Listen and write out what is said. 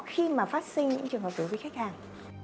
khi mà phát sinh những trường hợp đối với khách hàng